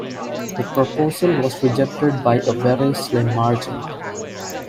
The proposal was rejected by a very slim margin.